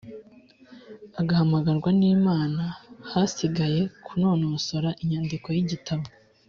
agahamagarwa n’Imana hasigaye kunononsora inyandiko y’igitabo.